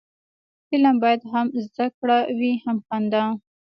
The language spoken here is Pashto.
فلم باید هم زده کړه وي، هم خندا